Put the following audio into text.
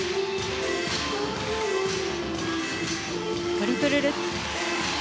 トリプルルッツ。